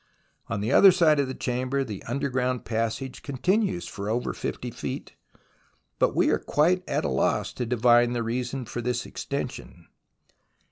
On the other side of the chamber the underground passage continues for over 50 feet, but we are quite at a loss to divine the reason for this extension.